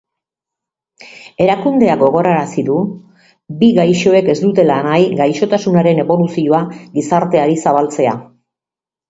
Erakundeak gogorarazi du bi gaixoek ez dutela nahi gaixotasunaren eboluzioa gizarteari zabaltzea.